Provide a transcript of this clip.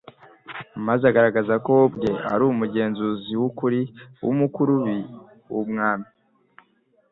maze agaragaza ko we ubwe ari Umwungeri w'ukuri w'umukurubi w'Umwami.